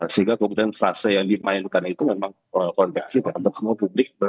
sehingga kemudian fase yang dimainkan itu memang konteksnya untuk semua publik